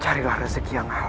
carilah rezeki yang halal